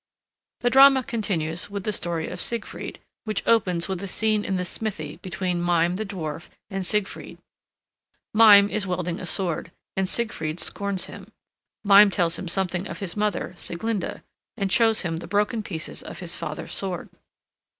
The drama continues with the story of Siegfried, which opens with a scene in the smithy between Mime the dwarf and Siegfried. Mime is welding a sword, and Siegfried scorns him. Mime tells him something of his mother, Sieglinda, and shows him the broken pieces of his father's sword.